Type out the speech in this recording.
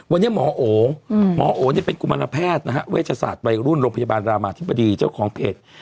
วันนี้หมอโอหมอโอเนี่ยเป็นกุมารแพทย์นะฮะเวชศาสตร์วัยรุ่นโรงพยาบาลรามาธิบดีเจ้าของเพจ